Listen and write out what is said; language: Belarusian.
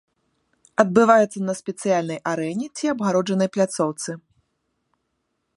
Адбываецца на спецыяльнай арэне ці абгароджанай пляцоўцы.